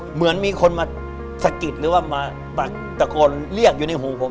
เหมือนมีคนมาสะกิดตะโกนเรียกอยู่ในฮัวผม